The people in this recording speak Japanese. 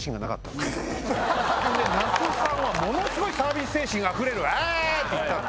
那須さんはものすごいサービス精神があふれるあ！って行ったんで。